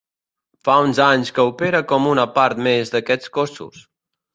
Fa uns anys que opera com una part més d’aquests cossos.